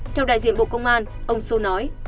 theo đại diện bộ công an ông sô nói